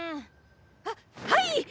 はっはい！